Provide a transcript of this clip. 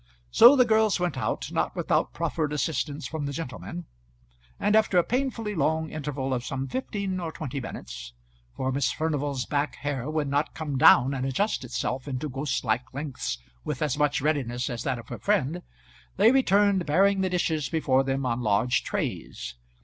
So the girls went out, not without proffered assistance from the gentlemen, and after a painfully long interval of some fifteen or twenty minutes, for Miss Furnival's back hair would not come down and adjust itself into ghostlike lengths with as much readiness as that of her friend, they returned bearing the dishes before them on large trays.